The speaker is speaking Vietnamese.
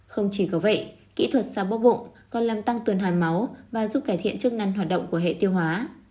không chỉ có vậy kỹ thuật xoa bóp bụng còn làm tăng tuyển hòa máu và giúp cải thiện chức năng hoạt động của hệ tiêu hóa